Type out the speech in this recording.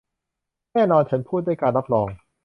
แน่นอน ฉันพูดด้วยการรับรอง